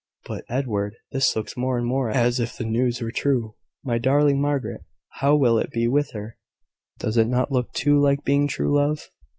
But, Edward, this looks more and more as if the news were true. My darling Margaret! How will it be with her? Does it not look too like being true, love?"